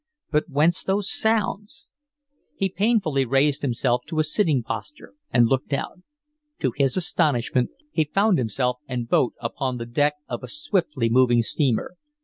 But whence those sounds? He painfully raised himself to a sitting posture and looked out. To his astonishment, he found himself and boat upon the deck of a swiftly moving steamer.